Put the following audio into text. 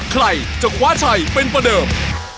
ใครจะคว้าชัยเป็นประเดิม